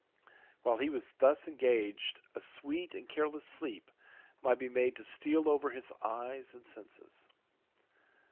While he was thus engaged a sweet and careless sleep might be made to steal over his eyes and senses.